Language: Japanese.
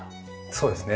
そうですね。